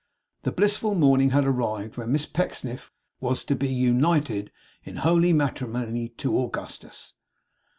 The blissful morning had arrived when Miss Pecksniff was to be united in holy matrimony, to Augustus.